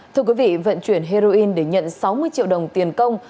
thưa quý vị vận chuyển heroin để nhận sáu mươi triệu đồng tiền công